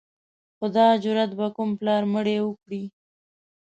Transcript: خو دا جرأت به کوم پلار مړی وکړي.